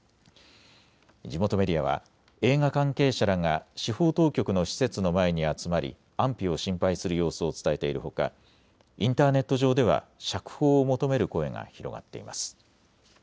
地元メディアは映画関係者らが司法当局の施設の前に集まり安否を心配する様子を伝えているほかインターネット上では釈放を求める声が広がっています。